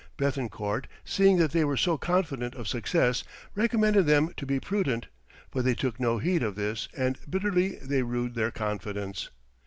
Béthencourt seeing that they were so confident of success, recommended them to be prudent, but they took no heed of this and bitterly they rued their confidence.